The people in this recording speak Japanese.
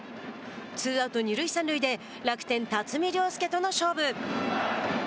ツーアウト、二塁三塁で楽天、辰己涼介との勝負。